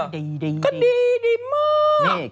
ก็ดีดีมาก